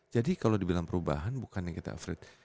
jadi kalau dibilang perubahan bukan yang kita afraid